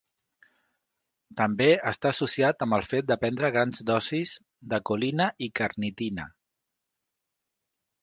També està associat amb el fet de prendre grans dosis de colina i carnitina.